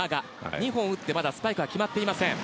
２本打ってまだスパイクは決まっていません。